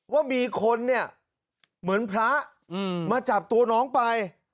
ว่ามีคนเนี่ยเหมือนพระมาจับตัวน้องไป